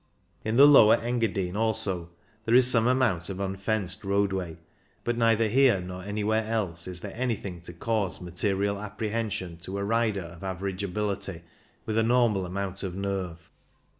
In the Lower Engadine also there is some amount of unfenced roadway, but neither here nor anywhere else is there anything to cause material apprehension to a rider of average ability, with a normal amount of nerve.